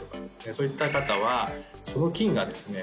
そういった方はその菌がですね